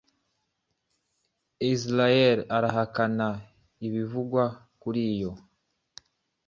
Israel irahakana ibivugwa kuriyo